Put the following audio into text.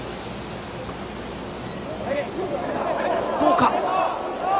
どうか。